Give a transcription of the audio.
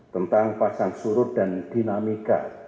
tentang pasang surut dan dinamika